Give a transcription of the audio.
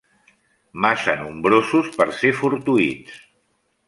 Massa nombrosos per ser fortuïts.